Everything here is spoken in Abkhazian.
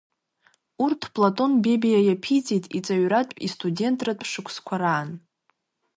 Урҭ Платон Бебиа иаԥиҵеит иҵаҩратә, истудентратә шықәсқәа раан.